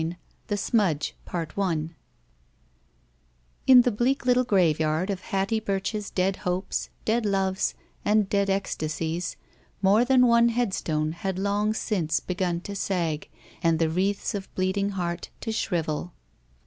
% THE SMUDGE i THE SMUDGE IN the bleak little graveyard of Hattie Bertch's dead hopes, dead loves, and dead ecstasies, more than one headstone had long since begun to sag and the wreaths of bleeding heart to shrivel.